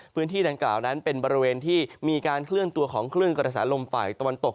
พื้นที่ดังกล่าวนั้นเป็นบริเวณที่มีการเคลื่อนตัวของคลื่นกระแสลมฝ่ายตะวันตก